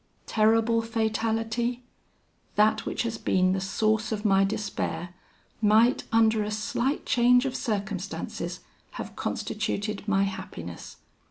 Terrible fatality, that which has been the source of my despair, might, under a slight change of circumstances, have constituted my happiness.